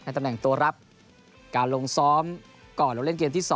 ตำแหน่งตัวรับการลงซ้อมก่อนลงเล่นเกมที่๒